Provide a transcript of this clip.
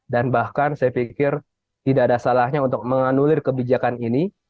dan bahkan saya pikir tidak ada salahnya untuk menganulir kebijakan ini